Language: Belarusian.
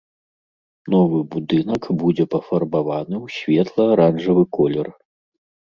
Новы будынак будзе пафарбаваны ў светла-аранжавы колер.